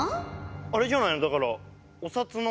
あれじゃないのだからお札の。